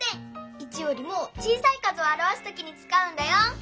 １よりも小さい数を表すときにつかうんだよ！